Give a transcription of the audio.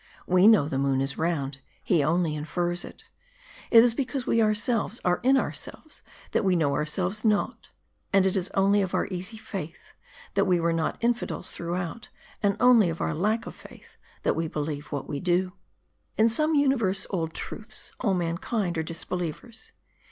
We know the moon is round ; he only infers it. It is be 342 MARDI. cause we ourselves are in ourselves, that we know ourselves not. And it is only of our easy faith, that we are not infi dels throughout ; and only of our lack of faith, that we believe what we do. In some universe old truths, all mankind are disbelievers.